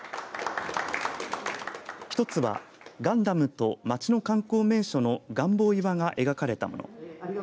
一つはガンダムと町の観光名所の瞰望岩が描かれたもの。